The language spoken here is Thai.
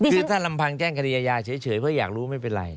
คือถ้าลำพังแจ้งคดีอาญาเฉยเพราะอยากรู้ไม่เป็นไร